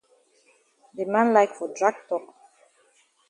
De man like for drag tok.